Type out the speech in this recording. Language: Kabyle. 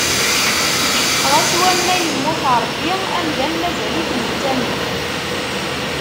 Ɣas wamma yemmut Ṛebbi, amdan mazal-it yettamen.